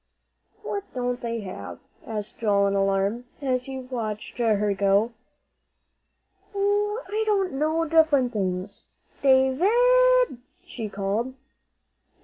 "What don't they have?" asked Joel in alarm, as he watched her go. "Oh, I don't know; different things. Da vid!" she called.